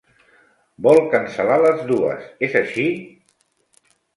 Vol cancel·lar les dues, és així?